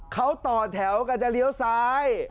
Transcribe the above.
เขาต่อแถวกันจะเลี้ยวซ้าย